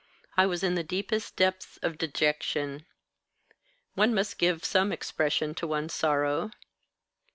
I was in the deepest depths of dejection. One must give some expression to one's sorrow."